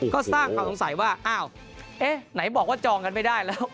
ก็สร้างความสงสัยว่าอ้าวเอ๊ะไหนบอกว่าจองกันไม่ได้แล้ว